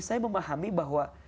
saya memahami bahwa